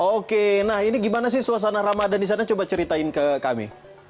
oke nah ini gimana sih suasana ramadan di sana coba ceritain ke kami